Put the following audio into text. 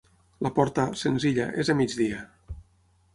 La porta, senzilla, és a migdia.